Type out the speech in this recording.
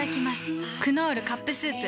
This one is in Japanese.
「クノールカップスープ」